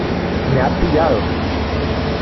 ¡ me ha pillado !